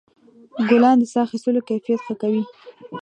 ګلان د ساه اخیستلو کیفیت ښه کوي.